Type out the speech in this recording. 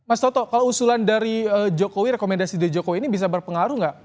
mas toto kalau usulan dari jokowi rekomendasi dari jokowi ini bisa berpengaruh nggak